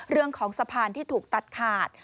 เรื่องของสะพานที่ถูกตัดขาด